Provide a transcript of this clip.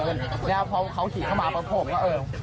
เนี่ยครับเพราะว่าเขาถิดเข้ามาพวกผมก็เออ